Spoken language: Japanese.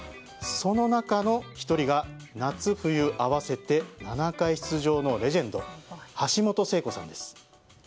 その中の１人が夏冬合わせて７回出場のレジェンド橋本聖子さんです。